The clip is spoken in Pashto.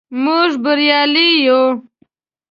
موږ بریالي یو.